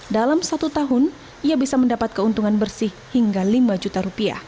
dalam satu tahun ia bisa mendapat keuntungan bersih hingga lima juta rupiah